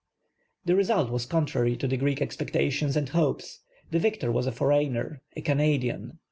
The result was contrary to the Greek expectations and hopes. The victor was a foreigner, ‚ÄĒ a Canadian.